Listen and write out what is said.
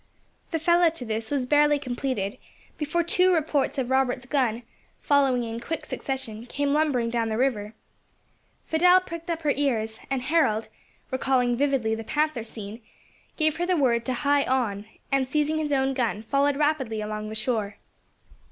The fellow to this was barely completed, before two reports of Robert's gun, following in quick succession, came lumbering down the river. Fidelle pricked up her ears, and Harold, recalling vividly the panther scene, gave her the word to "hie on," and seizing his own gun followed rapidly along the shore.